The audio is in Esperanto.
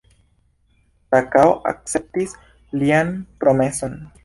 Sakao akceptis lian promeson.